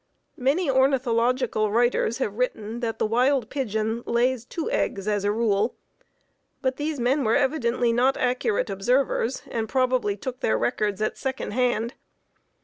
Many ornithological writers have written that the wild pigeon lays two eggs as a rule, but these men were evidently not accurate observers, and probably took their records at second hand.